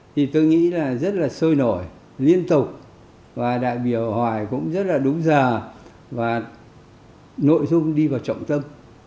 thì tôi nghĩ là rất là sôi nổi liên tục và đại biểu hỏi cũng rất là đúng giờ và nội dung đi vào trọng tâm